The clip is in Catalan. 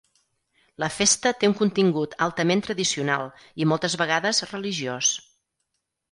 La festa té un contingut altament tradicional i moltes vegades religiós.